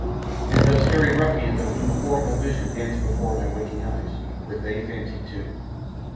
And those hairy ruffians of whom a horrible vision danced before my waking eyes, were they fancy too?